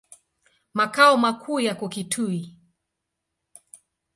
Makao makuu yako Kitui.